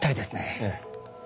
ええ。